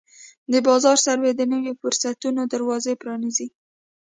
د بازار سروې د نویو فرصتونو دروازې پرانیزي.